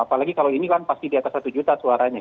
apalagi kalau ini kan pasti di atas satu juta suaranya